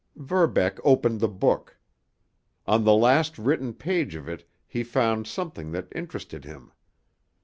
Verbeck opened the book. On the last written page of it he found something that interested him.